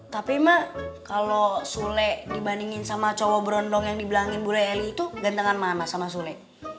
tapi ma kalau sule dibandingin sama cowok berondong yang dibilangin bureli itu gantengan mana sama sule